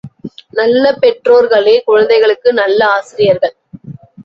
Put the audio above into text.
நல்ல பெற்றோர்களே குழந்தைகளுக்கு நல்ல ஆசிரியர்கள்.